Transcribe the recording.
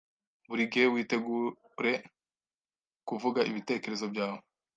Buri gihe witegure kuvuga ibitekerezo byawe